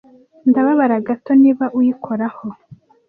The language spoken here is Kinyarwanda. ndababara gato niba uyikoraho